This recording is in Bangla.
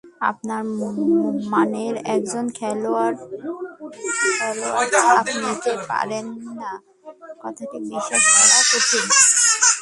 আপনার মানের একজন খেলোয়াড় চাপ নিতে পারেন না, কথাটা বিশ্বাস করা কঠিন।